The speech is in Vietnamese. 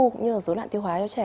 cũng như là số nạn tiêu hóa cho trẻ